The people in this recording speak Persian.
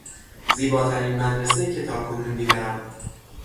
زیباترین مدرسهای که تاکنون دیدهام